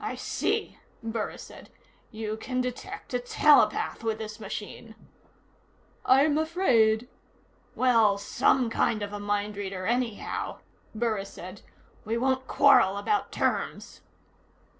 "I see," Burris said. "You can detect a telepath with this machine." "I'm afraid " "Well, some kind of a mind reader anyhow," Burris said. "We won't quarrel about terms."